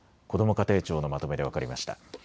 家庭庁のまとめで分かりました。